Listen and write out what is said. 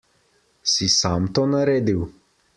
Si sam to naredil?